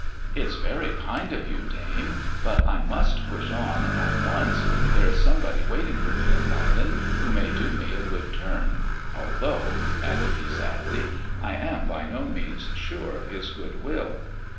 " It's very kind of you, dame, but I must push on at once. There is somebody waiting for me in London who may do me a good turn ; although," added he sadly, " I am by no means sure of his goodwill."